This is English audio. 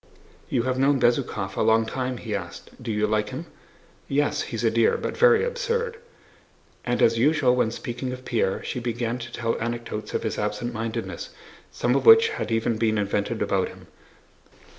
"You have known Bezúkhov a long time?" he asked. "Do you like him?" "Yes, he's a dear, but very absurd." And as usual when speaking of Pierre, she began to tell anecdotes of his absent mindedness, some of which had even been invented about him.